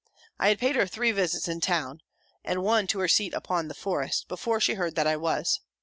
I had paid her three visits in town, and one to her seat upon the Forest, before she heard that I was.